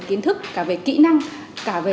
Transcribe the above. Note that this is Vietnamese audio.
kiến thức cả về kỹ năng cả về